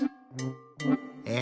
え？